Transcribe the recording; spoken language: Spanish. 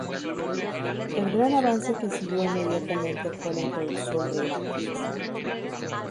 El gran avance que siguió inmediatamente fue la introducción de imágenes.